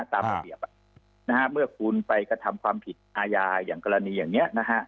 ตามระเบียบเมื่อคุณไปกระทำความผิดอาญาอย่างกรณีอย่างนี้นะฮะ